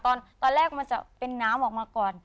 ตอนแรกมันจะเป็นน้ำออกมาก่อน